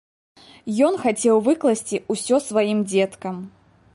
Ён хацеў выкласці ўсё сваім дзеткам.